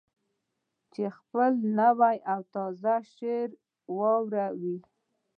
چې خپل نوی او تازه شعر واوروي.